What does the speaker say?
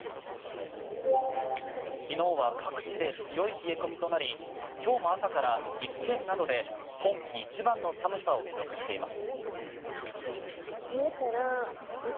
昨日は各地で強い冷え込みとなり今日も朝から岐阜県などで今季一番の寒さを記録しています。